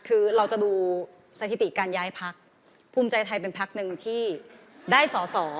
คือเราจะดูสถิติการย้ายพักภูมิใจไทยเป็นพักหนึ่งที่ได้สอสอ